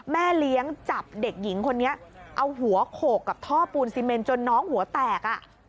แม่เลี้ยงจับเด็กหญิงคนนี้เอาหัวโขกกับท่อปูนซีเมนจนน้องหัวแตก